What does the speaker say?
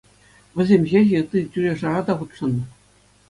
Вӗсем ҫеҫ-и, ытти тӳре-шара та хутшӑннӑ.